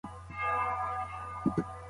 تاسو اوس د خپلو ارزښتونو ساتنه کوئ.